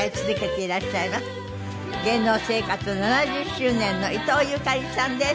芸能生活７０周年の伊東ゆかりさんです。